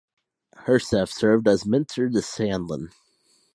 Herseth served as mentor to Sandlin.